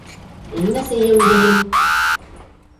என்ன செய்ய முடியும்?